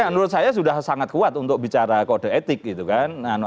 ya menurut saya sudah sangat kuat untuk bicara kode etik gitu kan